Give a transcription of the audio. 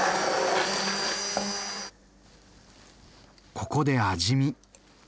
ここで味見。